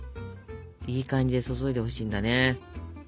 いい感じで注いでほしいんだね。